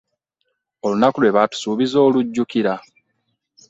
Olunaku lwe baatusuubiza olujjukira?